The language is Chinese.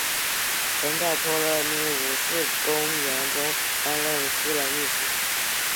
曾在托勒密五世宫廷中担任私人秘书。